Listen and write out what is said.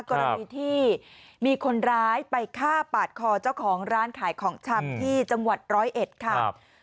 กรณีที่มีคนร้ายไปฆ่าปาดคอเจ้าของร้านขายของชำที่จังหวัดร้อยเอ็ดค่ะ